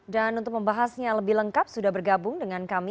dan untuk membahasnya lebih lengkap sudah bergabung dengan kami